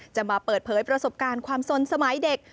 จะมาเปิดเผยประสบการณ์ความสนสมัยเด็ก